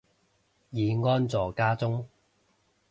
已安坐家中